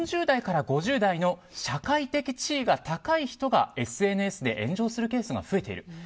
４０代５０代の社会的地位が高い人がＳＮＳで炎上するケースが増えている。